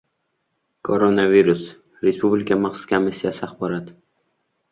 Koronavirus: Respublika maxsus komissiyasi axboroti